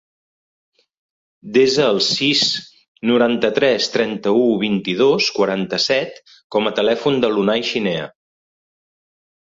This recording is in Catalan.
Desa el sis, noranta-tres, trenta-u, vint-i-dos, quaranta-set com a telèfon de l'Unai Chinea.